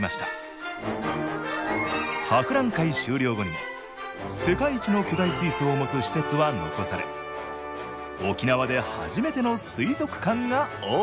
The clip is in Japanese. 博覧会終了後にも世界一の巨大水槽を持つ施設は残され沖縄で初めての水族館がオープン。